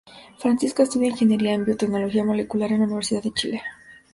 Francisca estudia Ingeniería en Biotecnología Molecular en la Universidad de Chile.